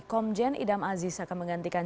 komjen idam aziz akan menggantikan